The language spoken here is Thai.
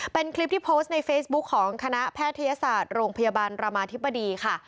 เป็นคลิปที่โพสต์ในเฟซบุ๊คของคณะแพทยศาสตร์โรงพยาบาลรามาธิบดีค่ะ